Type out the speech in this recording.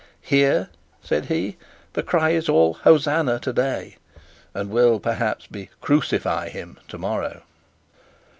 "Here," said he, "the cry is all Hosannah today, and will, perhaps, be Crucify him tomorrow."